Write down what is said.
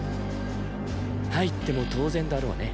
入っても当然だろうね。